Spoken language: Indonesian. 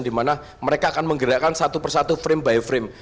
di mana mereka akan menggerakkan satu persatu frame by frame